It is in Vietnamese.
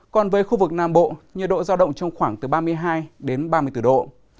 còn với khu vực nam bộ nhiệt độ giao động trong khoảng từ ba mươi hai đến ba mươi bốn độ